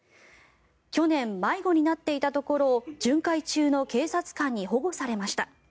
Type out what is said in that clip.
去年、迷子になっていたところを巡回中の警察官に保護されました。